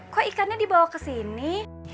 kok ikannya dibawa kesini